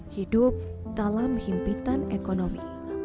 hidup dalam himpitan ekonomi